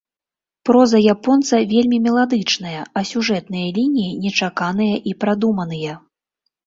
Проза японца вельмі меладычная, а сюжэтныя лініі нечаканыя і прадуманыя.